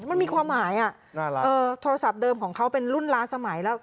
มันมีความหมายโทรศัพท์เดิมของเขาเป็นรุ่นล้านสมัยแล้ว